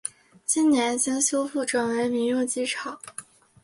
近年经修复转为民用机场。